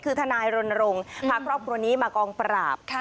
คือทนายรณรงค์พาครอบครัวนี้มากองปราบ